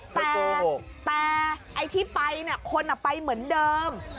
แต่ไอ้ที่ไปคนไปเหมือนเดิม